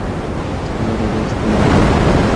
خپله ډوډۍ خپله وګټئ.